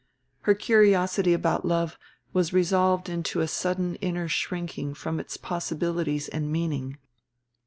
Her curiosity about love was resolved into a sudden inner shrinking from its possibilities and meaning.